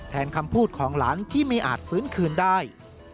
คำพูดของหลานที่ไม่อาจฟื้นคืนได้